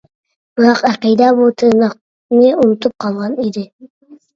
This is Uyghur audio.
بىراق ئەقىدە بۇ تىرناقنى ئۇنتۇپ قالغان ئىدى.